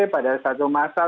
pada satu masa